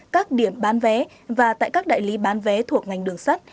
các điểm bán vé và tại các đại lý bán vé thuộc ngành đường sắt